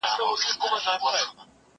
دا موسيقي له هغه خوږه ده!؟